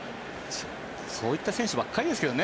そういった選手ばっかりですけどね